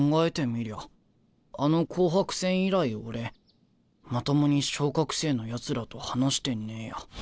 みりゃあの紅白戦以来俺まともに昇格生のやつらと話してねえや。